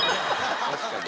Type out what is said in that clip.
確かにね。